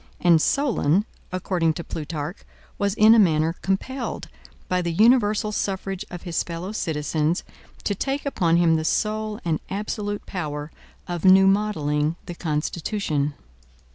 And Solon, according to Plutarch, was in a manner compelled, by the universal suffrage of his fellow citizens, to take upon him the sole and absolute power of new modeling the constitution.